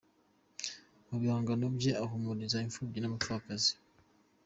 Mu bihangano bye ahumuriza imfubyi n'abapfakazi.